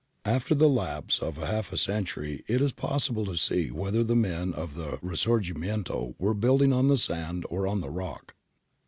After the lapse of half a century it is possible to see whether the men of the risorgimenio were building on the sand or on the rock.